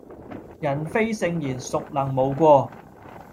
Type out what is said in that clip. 人非聖賢孰能無過